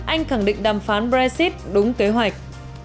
anh khẳng định đàm phán brexit đúng kế hoạch